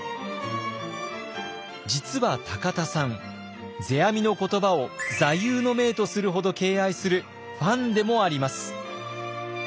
実は田さん世阿弥の言葉を座右の銘とするほど敬愛するファンでもあります。